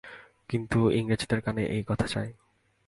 কিন্তু ইংরেজদের কানে এই কথা যায়।